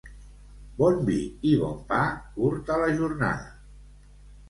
Bon vi i bon pa, curta la jornada.